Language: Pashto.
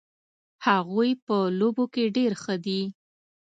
هغوی په لوبو کې ډېر ښه دي